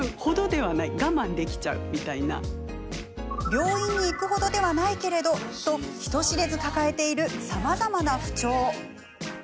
病院に行く程ではないけれどと人知れず抱えているさまざまな不調。